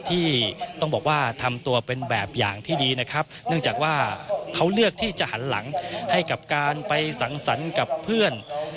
ที่ต้องบอกว่าทำตัวเป็นแบบอย่างที่ดีนะครับเนื่องจากว่าเขาเลือกที่จะหันหลังให้กับการไปสังสรรค์กับเพื่อน